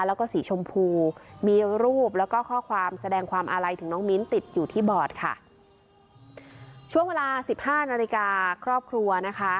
แล้วก็สีชมพูมีรูปแล้วก็ข้อความแสดงความอาลัยถึงน้องมิ้นติดอยู่ที่บอร์ดค่ะช่วงเวลาสิบห้านาฬิกาครอบครัวนะคะ